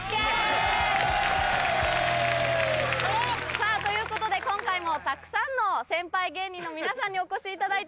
さぁということで今回もたくさんの先輩芸人の皆さんにお越しいただいています。